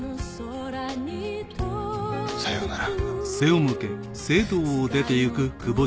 さようなら。